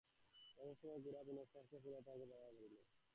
এমন সময় গোরা ও বিনয় আসিয়া পড়াতে তাঁহার বাধা পড়িল।